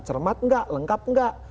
cermat enggak lengkap enggak